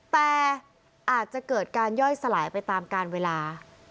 แต่อาจจะเกิดการย่อยสลายไปตามการเวลา